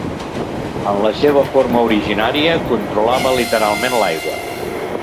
En la seva forma originària, controlava literalment l'aigua.